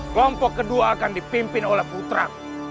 kelompok kedua akan dipimpin oleh putra